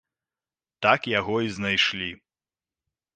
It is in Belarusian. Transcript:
Так яго і знайшлі.